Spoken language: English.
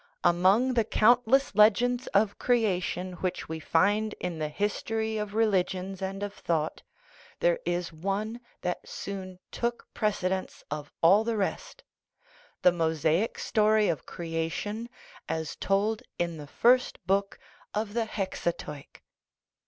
Among the count less legends of creation which we find in the history of religions and of thought there is one that soon took 373 THE RIDDLE OF THE UNIVERSE precedence of all the rest the Mosaic story of creation as told in the first book of the Hexateuch.